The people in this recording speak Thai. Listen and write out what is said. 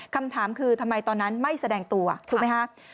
คำถามคือทำไมตอนนั้นไม่แสดงตัวถูกไหมครับ